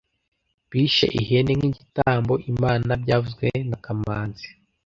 Bishe ihene nk'igitambo Imana byavuzwe na kamanzi